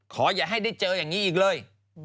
อย่าให้ได้เจออย่างนี้อีกเลย